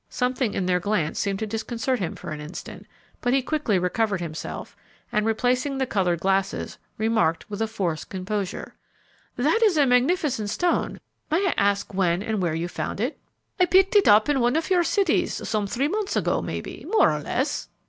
Something in their glance seemed to disconcert him for an instant, but he quickly recovered himself, and, replacing the colored glasses, remarked with a forced composure, "That is a magnificent stone. May I ask when and where you found it?" "I picked it up in one of your cities some three months ago, maybe, more or less."